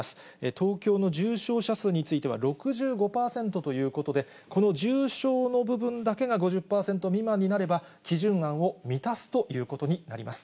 東京の重症者数については６５％ということで、この重症の部分だけが５０％未満になれば、基準案を満たすということになります。